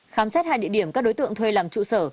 khám xét hai địa điểm các đối tượng thuê làm trụ sở